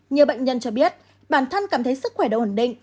nhiều bệnh nhân cho biết bản thân cảm thấy sức khỏe đã ổn định